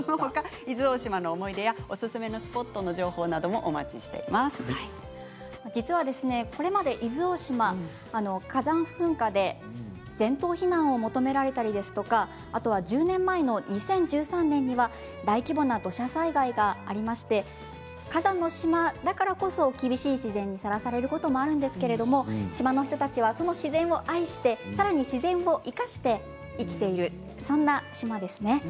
伊豆大島の思い出やおすすめスポットの情報も実は伊豆大島、火山噴火で全島避難を求められたり１０年前の２０１３年には大規模な土砂災害がありまして火山の島だからこそ厳しい自然にさらされることもあるんですけど、島の人たちがその自然を愛して、さらに自然を生かして生きているそんな島ですね。